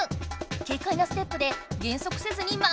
軽快なステップで減速せずにまがりきった！